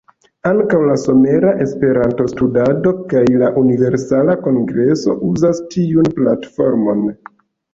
Ankaŭ la Somera Esperanto-Studado kaj la Universala Kongreso uzos tiun platformon.